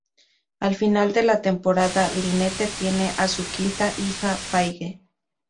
Al final de la temporada Lynette tiene a su quinta hija Paige.